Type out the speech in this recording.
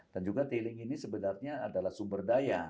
dan juga tailing ini sebenarnya adalah sumber daya